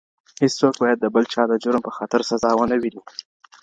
هیڅوک باید د بل چا د جرم په خاطر سزا ونه ویني.